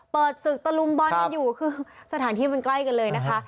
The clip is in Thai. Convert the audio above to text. เปิดศึกตะลุมบอลกันอยู่คือสถานที่มันใกล้กันเลยนะคะ